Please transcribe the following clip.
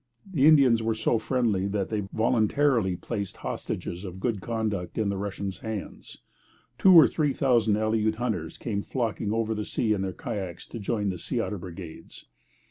The Indians were so very friendly that they voluntarily placed hostages of good conduct in the Russians' hands. Two or three thousand Aleut hunters came flocking over the sea in their kayaks to join the sea otter brigades.